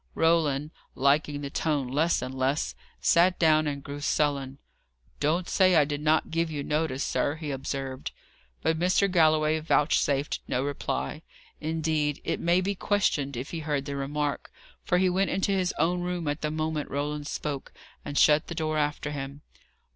Roland, liking the tone less and less, sat down and grew sullen. "Don't say I did not give you notice, sir," he observed. But Mr. Galloway vouchsafed no reply. Indeed, it may be questioned if he heard the remark, for he went into his own room at the moment Roland spoke, and shut the door after him.